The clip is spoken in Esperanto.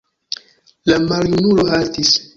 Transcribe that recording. La maljunulo haltis.